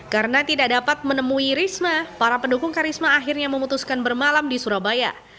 karena tidak dapat menemui risma para pendukung karisma akhirnya memutuskan bermalam di surabaya